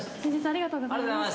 ありがとうございます。